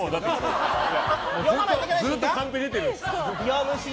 ずっとカンペ出ているんです。